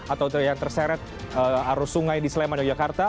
atau yang terseret arus sungai di sleman yogyakarta